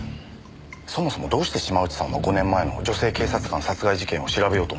そもそもどうして島内さんは５年前の女性警察官殺害事件を調べようと思ったんでしょう？